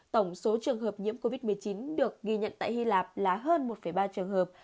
tổng số trường hợp nhiễm covid một mươi chín được ghi nhận tại hy lạp là hơn một ba trường hợp